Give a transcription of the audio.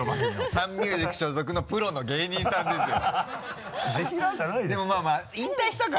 サンミュージック所属のプロの芸人さんですよ。